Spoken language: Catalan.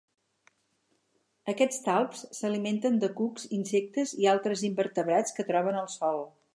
Aquests talps s'alimenten de cucs, insectes i altres invertebrats que troben al sòl.